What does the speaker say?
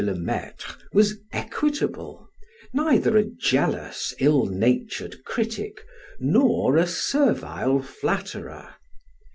le Maitre was equitable, neither a jealous, ill natured critic, nor a servile flatterer.